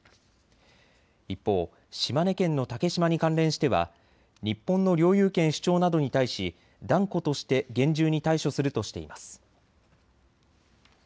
一方、島根県の竹島に関連しては日本の領有権主張などに対し断固として厳重に対処するとしています。